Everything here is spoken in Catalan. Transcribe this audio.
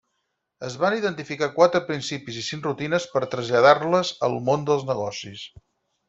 Es van identificar quatre principis i cinc rutines per traslladar-les al món dels negocis.